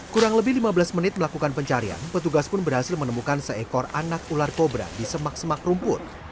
kurang lebih lima belas menit melakukan pencarian petugas pun berhasil menemukan seekor anak ular kobra di semak semak rumput